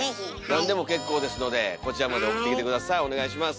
何でも結構ですのでこちらまで送ってきて下さいお願いします。